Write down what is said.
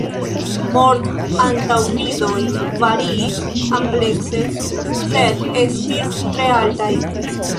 Mort-antaŭvidoj variis amplekse, sed estis tre altaj.